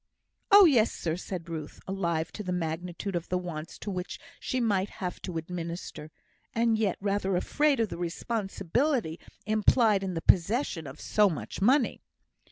"Oh, yes, sir," said Ruth, alive to the magnitude of the wants to which she might have to administer, and yet rather afraid of the responsibility implied in the possession of so much money.